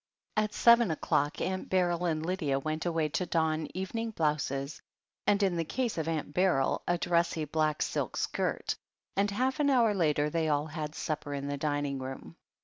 At seven o'clock. Aunt Beryl and Lydia went away to don evening blouses, and, in the case of Aunt Beryl, a "dressy" black silk skirt, and half an hour later they all had supper in the dining room.